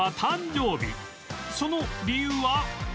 その理由は